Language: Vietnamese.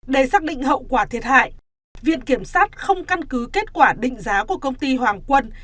để xác định hậu quả thiệt hại viện kiểm sát không căn cứ kết quả định giá của công ty hoàng quân